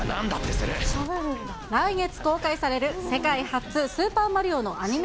来月公開される、世界初、スーパーマリオのアニメ